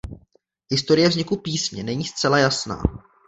Historie vzniku písně není zcela jasná.